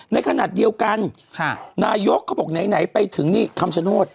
ในขณะเดียวกันค่ะนายกก็บอกไหนไหนไปถึงนี่คำสนุทร